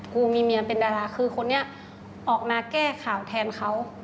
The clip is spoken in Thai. กูมีเมียเป็นดาราคือคนนี้ออกมาแก้ข่าวแทนเขา